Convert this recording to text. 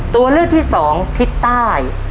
ตัวเลือกที่สองทิศใต้